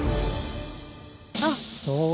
あっ。